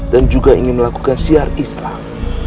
dan juga ingin melakukan siar islam